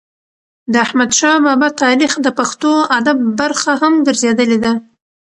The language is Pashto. د احمدشا بابا تاریخ د پښتو ادب برخه هم ګرځېدلې ده.